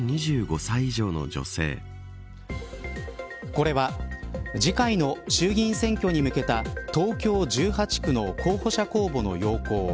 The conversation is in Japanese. これは次回の衆議院選挙に向けた東京１８区の候補者公募の要項。